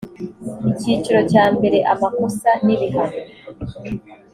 icyiciro cya mbere amakosa n ibihano